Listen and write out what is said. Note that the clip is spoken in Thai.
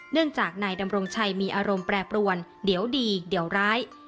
เนื่องจากนายดำรงชัยมีอารมณ์แปรปรวนเดี๋ยวดีเดี๋ยวร้าย